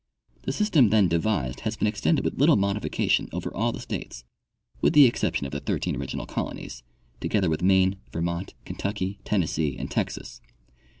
The system then devised has been extended with little modification over all the states, with the exception of the thirteen original colonies, together with Maine, Vermont, Kentucky, Tennessee and Texas.